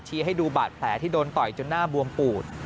ให้ดูบาดแผลที่โดนต่อยจนหน้าบวมปูด